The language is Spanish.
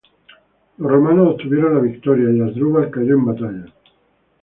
Los romanos obtuvieron la victoria y Asdrúbal cayó en batalla.